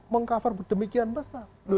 meng cover demikian besar